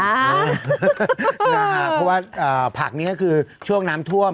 เพราะว่าผักนี้ก็คือช่วงน้ำท่วม